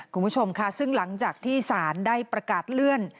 คุณผู้ชมค่ะซึ่งหลังจากที่ศาลได้ประกาศเลื่อน